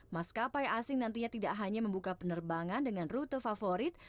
maskapai asing nantinya tidak hanya membuka penerbangan dengan rute favorit